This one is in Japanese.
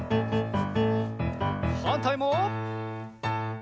はんたいも。